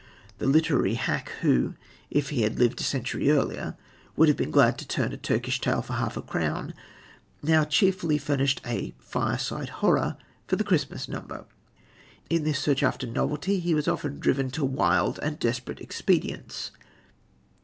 The literary hack, who, if he had lived a century earlier, would have been glad to turn a Turkish tale for half a crown, now cheerfully furnished a "fireside horror" for the Christmas number. In his search after novelty he was often driven to wild and desperate expedients.